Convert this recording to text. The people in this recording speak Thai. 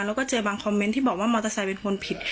แล้วก็เจอบางคอมเมนต์ที่บอกว่ามอเตอร์ไซค์เป็นคนผิด